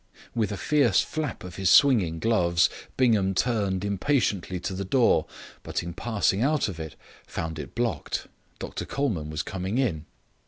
With a fierce flap of his swinging gloves Bingham turned impatiently to the door, but in passing out of it found it blocked. Dr Colman was coming in.